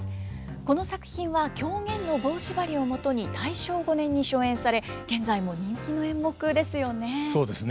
この作品は狂言の「棒縛」をもとに大正５年に初演され現在も人気の演目ですよね。